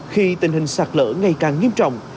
khi tình hình sạt lở ngày càng nghiêm trọng